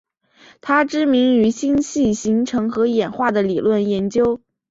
她知名于星系形成和演化的理论研究。